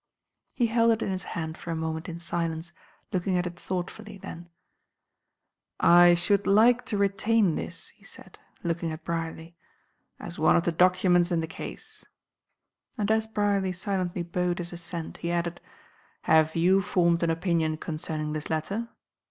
He held it in his hand for a moment in silence, looking at it thoughtfully, then. "I should like to retain this," he said, looking at Brierly, "as one of the documents in the case." And as Brierly silently bowed his assent, he added: "Have you formed an opinion concerning this letter?"